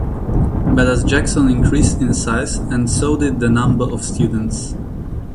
But as Jackson increased in size and so did the number of students.